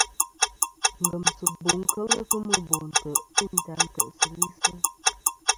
Ngemsiɨbo kel kemɨ no ntè' teyn ta ntè'sɨ li.